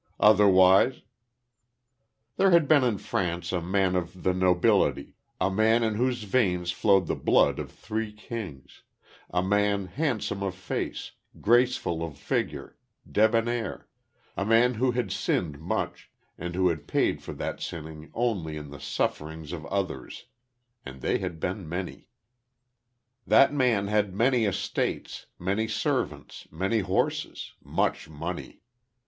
Otherwise There had been in France a man of the nobility a man in whose veins flowed the blood of three kings a man handsome of face, graceful of figure, debonair a man who had sinned much, and who had paid for that sinning only in the sufferings of others; and they had been many. That man had many estates many servants many horses much money.